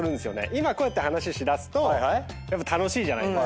今こうやって話しだすとやっぱ楽しいじゃないですか。